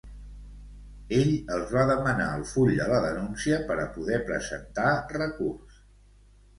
Ell els va demanar el full de la denúncia per a poder presentar recurs.